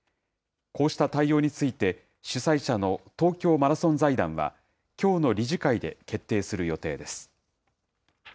こうした対応について、主催者の東京マラソン財団は、きょうの理事会で決定する予定です。